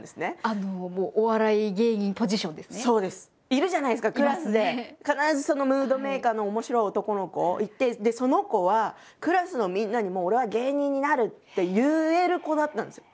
いるじゃないですかクラスで必ずムードメーカーの面白い男の子いてでその子はクラスのみんなに「俺は芸人になる」って言える子だったんですよ。